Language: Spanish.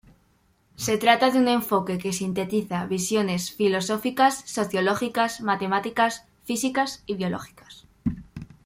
Se trata de un enfoque que sintetiza visiones filosóficas, sociológicas, matemáticas, físicas y biológicas.